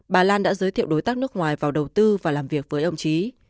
bà lan đã giới thiệu đối tác nước ngoài vào đầu tư và làm việc với ông trí